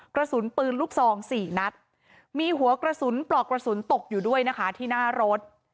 กระสุนปืนลูกซองสี่นัดมีหัวกระสุนปลอกกระสุนตกอยู่ด้วยนะคะที่หน้ารถ